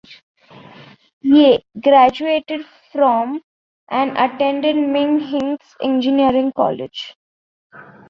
Yeh graduated from and attended Ming Hsin Engineering College.